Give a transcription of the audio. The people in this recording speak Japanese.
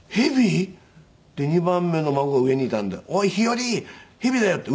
で２番目の孫が上に行たんで「おいヒヨリ蛇だよ」って。